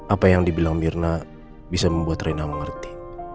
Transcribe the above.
apa yang dibilang mirna bisa membuat rena mengerti